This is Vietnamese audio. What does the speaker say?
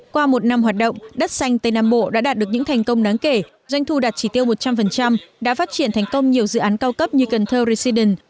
qua một năm hoạt động đất xanh tây nam bộ đã đạt được những thành công đáng kể doanh thu đạt chỉ tiêu một trăm linh đã phát triển thành công nhiều dự án cao cấp như cần thơ residence